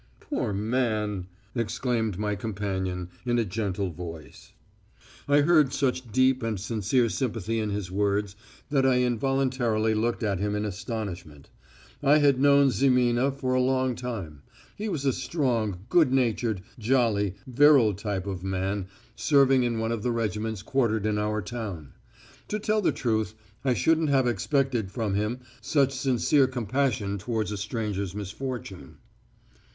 "Poor man!" exclaimed my companion in a gentle voice. I heard such deep and sincere sympathy in his words that I involuntarily looked at him in astonishment. I had known Zimina for a long time he was a strong, good natured, jolly, virile type of man serving in one of the regiments quartered in our town. To tell the truth, I shouldn't have expected from him such sincere compassion towards a stranger's misfortune.